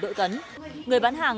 trước ba năm ngày